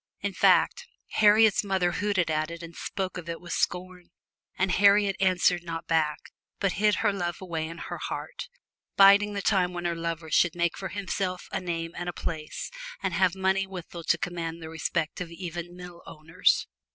In fact, Harriet's mother hooted at it and spoke of it with scorn; and Harriet answered not back, but hid her love away in her heart biding the time when her lover should make for himself a name and a place, and have money withal to command the respect of even mill owners.